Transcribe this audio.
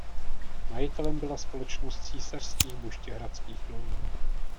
Majitelem byla společnost Císařských buštěhradských dolů.